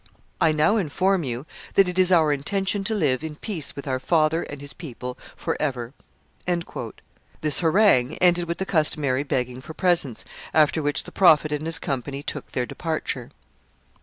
I now inform you, that it is our intention to live in peace with our father and his people for ever. This harangue ended with the customary begging for presents, after which the Prophet and his company took their departure.